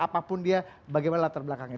apapun dia bagaimana latar belakangnya